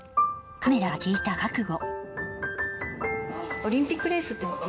カメラが聞いた覚悟。